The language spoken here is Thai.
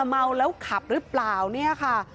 เมาแล้วขับรึเปล่านี่ค่ะ